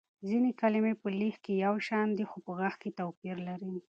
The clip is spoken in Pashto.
ځينې کلمې په ليک يو شان دي خو په غږ توپير لري.